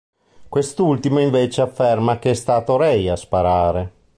Quest'ultimo invece afferma che è stato Ray a sparare.